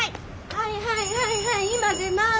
はいはいはいはい今出ます！